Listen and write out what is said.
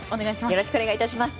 よろしくお願いします。